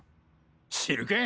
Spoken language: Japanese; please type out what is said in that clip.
知るか！